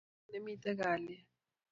Uganda ko met ne miten kaliet